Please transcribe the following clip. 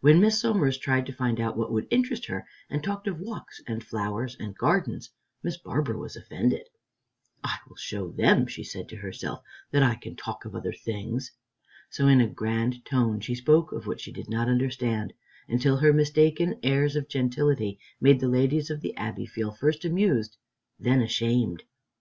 When Miss Somers tried to find out what would interest her, and talked of walks, and flowers and gardens, Miss Barbara was offended. "I will show them," she said to herself, "that I can talk of other things." So in a grand tone she spoke of what she did not understand, until her mistaken airs of gentility made the ladies of the Abbey feel first amused and then ashamed.